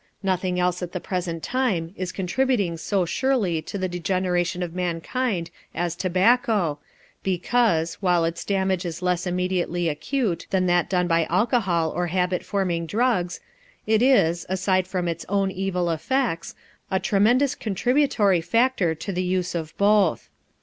Nothing else at the present time is contributing so surely to the degeneration of mankind as tobacco, because, while its damage is less immediately acute than that done by alcohol or habit forming drugs, it is, aside from its own evil effects, a tremendous contributory factor to the use of both.